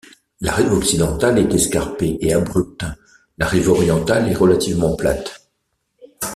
La rive occidentale est escarpée et abrupte, la rive orientale est relativement plate.